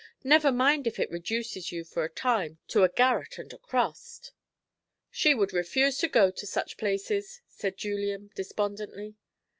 Never mind if it reduces you for a time to a garret and a crust." "She would refuse to go to such places," said Julian despondently.